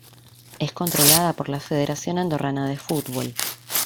Es controlada por la Federación Andorrana de Fútbol.